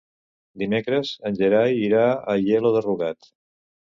Dimecres en Gerai irà a Aielo de Rugat.